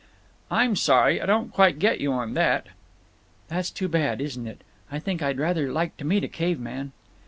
"I'm sorry. I don't quite get you on that." "That's too bad, isn't it. I think I'd rather like to meet a caveman."